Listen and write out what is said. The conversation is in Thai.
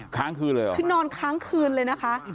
ค้างคืนเลยเหรอคือนอนค้างคืนเลยนะคะ